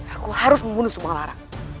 aku harus membunuh subang lara